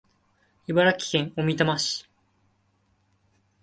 茨城県小美玉市